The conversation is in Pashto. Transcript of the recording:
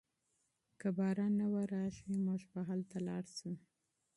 که باران و نه وریږي موږ به هلته لاړ شو.